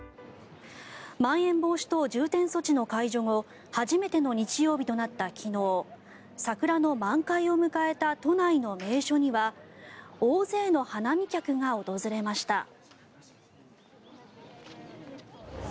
まん延防止等重点措置の解除後初めての日曜日となった昨日桜の満開を迎えた都内の名所には大勢の花見客が訪れました。